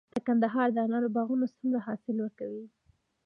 د کندهار د انارو باغونه څومره حاصل ورکوي؟